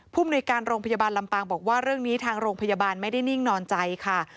มนุยการโรงพยาบาลลำปางบอกว่าเรื่องนี้ทางโรงพยาบาลไม่ได้นิ่งนอนใจค่ะ